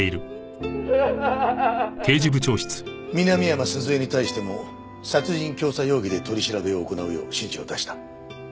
南山鈴江に対しても殺人教唆容疑で取り調べを行うよう指示を出した。